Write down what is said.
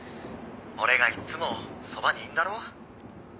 「俺がいつもそばにいんだろ？」